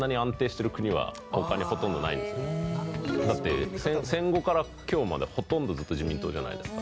でも政党でいったらだって戦後から今日までほとんどずっと自民党じゃないですか。